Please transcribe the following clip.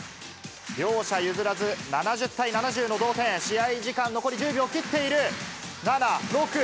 両者譲らず、７０対７０の同点、試合時間、残り１０秒切っている。